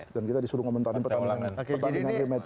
dan kita disuruh komentari pertandingan rematch